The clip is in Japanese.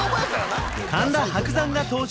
神田伯山が登場